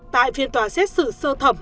tại phiên tòa xét xử sơ thẩm